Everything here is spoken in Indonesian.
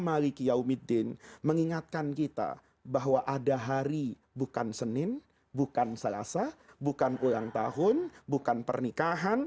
mengingatkan kita bahwa ada hari bukan senin bukan selasa bukan ulang tahun bukan pernikahan